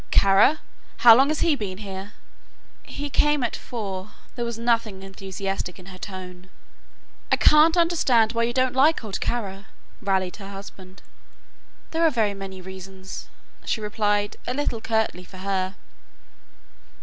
"Kara? How long has he been here?" "He came at four." There was nothing enthusiastic in her tone. "I can't understand why you don't like old Kara," rallied her husband. "There are very many reasons," she replied, a little curtly for her.